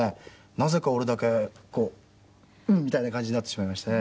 なぜか俺だけこううんみたいな感じになってしまいましてね。